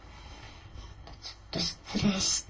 ちょっと失礼して。